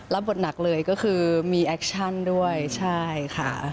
บทหนักเลยก็คือมีแอคชั่นด้วยใช่ค่ะ